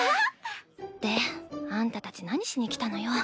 であんたたち何しに来たのよ？